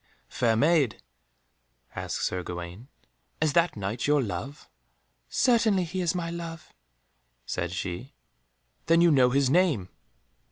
"Fair Maid," asked Sir Gawaine, "is that Knight your love?" "Certainly he is my love," said she. "Then you know his name?"